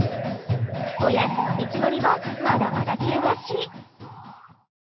おやつへの道のりはまだまだ険しい。